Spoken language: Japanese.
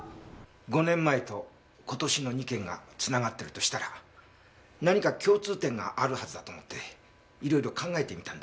５年前と今年の２件がつながってるとしたら何か共通点があるはずだと思って色々考えてみたんだ。